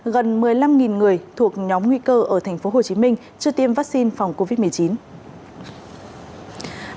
gần một mươi năm người thuộc nhóm nguy cơ ở tp hcm chưa tiêm vaccine phòng covid một mươi chín